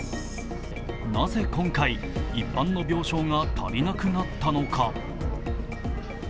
なぜ、今回一般の病床が足りなくなったのか。